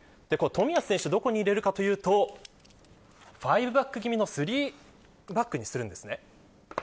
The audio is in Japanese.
冨安選手をどこに入れるかというと５バック気味の３バックにするんです。